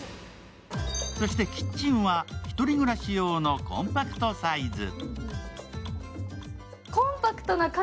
そしてキッチンは１人暮らし用のコンパクトサイズ。